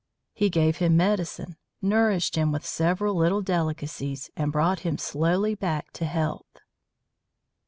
He gave him medicine, nourished him with several little delicacies, and brought him slowly back to health.